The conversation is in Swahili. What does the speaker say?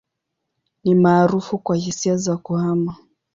Ni maarufu kwa hisia za kuhama.